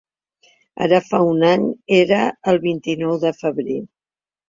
Ara fa un any era el vint-i-nou de febrer.